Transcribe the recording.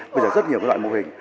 bây giờ rất nhiều loại mô hình